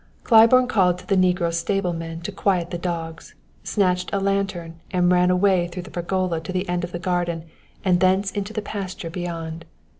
Claiborne called to the negro stable men to quiet the dogs, snatched a lantern, and ran away through the pergola to the end of the garden and thence into the pasture beyond.